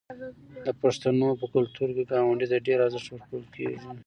د پښتنو په کلتور کې ګاونډي ته ډیر ارزښت ورکول کیږي.